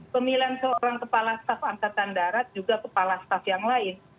pemilihan seorang kepala staf angkatan darat juga kepala staff yang lain